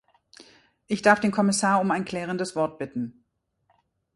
Ich darf den Kommissar um ein klärendes Wort bitten.